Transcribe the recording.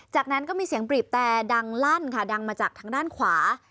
จากนั้นก็มีเสียงบีบแต่ดังลั่นค่ะดังมาจากทางด้านขวา